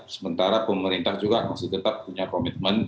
sementara pemerintah juga masih tetap punya komitmen